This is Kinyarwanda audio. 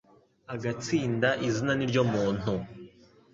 agatsinda izina niryo muntu